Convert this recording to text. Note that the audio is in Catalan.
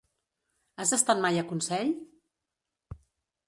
Has estat mai a Consell?